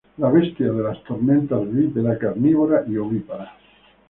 La bestia de las tormentas, bípeda, carnívora y ovípara.